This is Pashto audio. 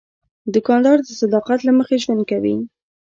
دوکاندار د صداقت له مخې ژوند کوي.